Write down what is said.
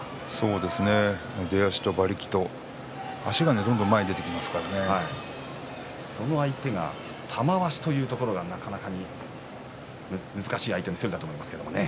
そうですね出足と馬力と足がその相手が玉鷲というところがなかなか難しい相手だと思いますが。